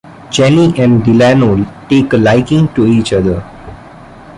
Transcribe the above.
Jenny and Delano take a liking to each other.